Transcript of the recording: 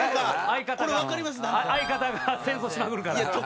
相方が戦争しまくるから？